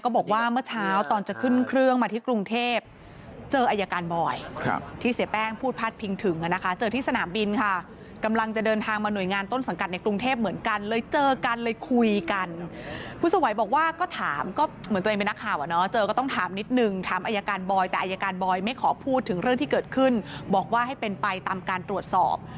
บอกว่าให้เป็นไปตามการตรวจสอบ